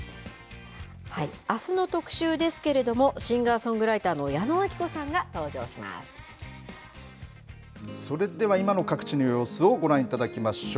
あすの特集ですけれども、シンガーソングライターの矢野顕子それでは、今の各地の様子をご覧いただきましょう。